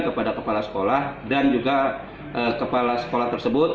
kepada kepala sekolah dan juga kepala sekolah tersebut